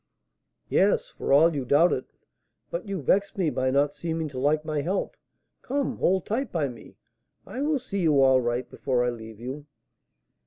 "Yes, for all you doubt it; but you vex me by not seeming to like my help. Come, hold tight by me; I will see you all right before I leave you."